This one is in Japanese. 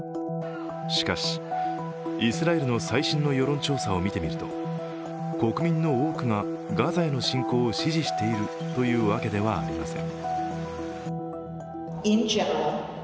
しかし、イスラエルの最新の世論調査を見てみると、国民の多くがガザへの侵攻を支持しているというわけではありません。